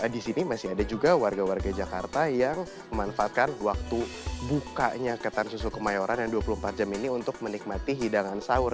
di sini masih ada juga warga warga jakarta yang memanfaatkan waktu bukanya ketan susu kemayoran yang dua puluh empat jam ini untuk menikmati hidangan sahur